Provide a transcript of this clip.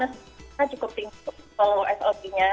kekuatan kita cukup tinggi untuk follow slp nya